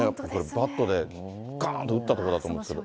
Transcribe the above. バットで、がーんと打ったところだと思うけど。